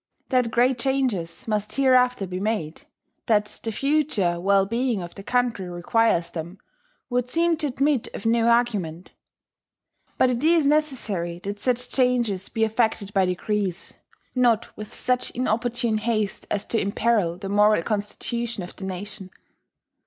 That great changes must hereafter be made, that the future well being of the country requires them, would seem to admit of no argument. But it is necessary that such changes be effected by degrees, not with such inopportune haste as to imperil the moral constitution of the nation.